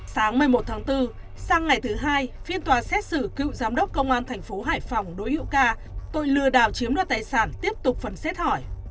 sáng một mươi một tháng bốn sang ngày thứ hai phiên tòa xét xử cựu giám đốc công an thành phố hải phòng đỗ hữu ca tội lừa đảo chiếm đoạt tài sản tiếp tục phần xét hỏi